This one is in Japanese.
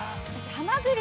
◆ハマグリ